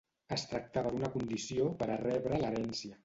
Es tractava d'una condició per a rebre l'herència.